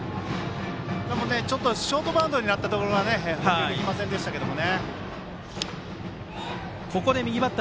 ショートバウンドになったところがありましたけどね。